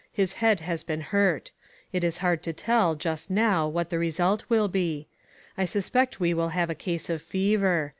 His head has been hurt. It is hard to tell, just now, what the result will be. I suspect we will have a case of fever.